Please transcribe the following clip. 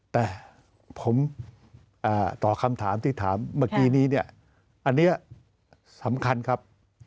แต่ผมตอบคำถามที่ถามเมื่อกี้นี้เนี่ยอันนี้สำคัญครับ